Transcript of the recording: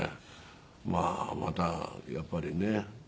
まあまだやっぱりね。